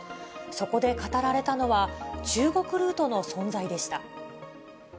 そこで語られたのは中国ルートの存在でした。